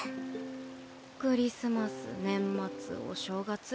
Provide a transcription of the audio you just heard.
クリスマス年末お正月。